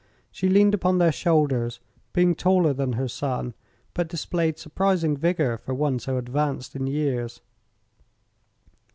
She leaned upon their shoulders, being taller than her son, but displayed surprising vigor for one so advanced in years.